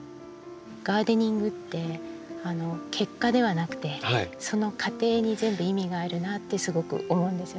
ガーデニングって結果ではなくてその過程に全部意味があるなあってすごく思うんですよね。